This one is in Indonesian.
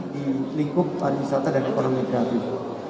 di lingkup pariwisata dan ekonomi kreatif